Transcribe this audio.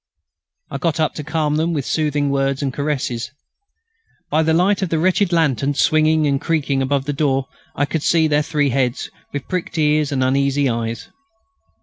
I got up to calm them with soothing words and caresses. By the light of the wretched lantern swinging and creaking above the door I could see their three heads, with pricked ears and uneasy eyes.